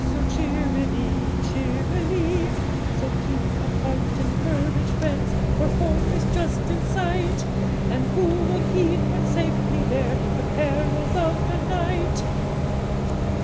so cheerily, cheerily; So keep up heart and courage, friends! For home is just in sight; And who will heed, when safely there, The perils of the night?